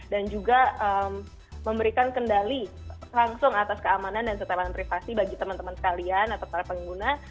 dan juga memberikan kendali langsung atas keamanan dan setelan privasi bagi teman teman sekalian atau para pengguna